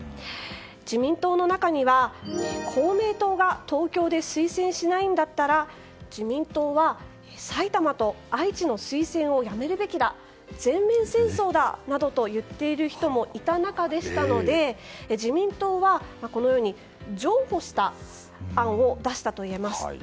自民党の中には公明党が東京で推薦しないんだったら自民党は埼玉と愛知の推薦をやめるべきだ全面戦争だなどと言っている人もいた中でしたので自民党はこのように譲歩した案を出したといえます。